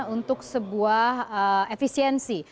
untuk sebuah efisiensi